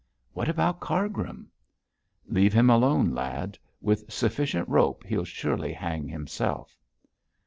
'What about Cargrim?' 'Leave him alone, lad; with sufficient rope he'll surely hang himself.'